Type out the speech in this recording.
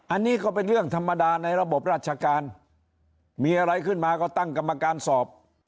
อันนี้ก็เป็นเรื่องธรรมดาในระบบราชการมีอะไรขึ้นมาก็ตั้งกรรมการสอบ